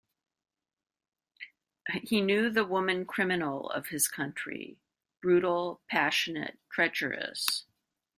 He knew the woman-criminal of his country — brutal, passionate, treacherous.